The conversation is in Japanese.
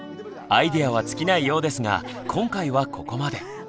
アイデアは尽きないようですが今回はここまで。